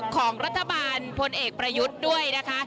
ของรัฐบาลพลเอกประยุทธ์ด้วยนะคะ